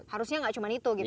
harusnya nggak cuma itu gitu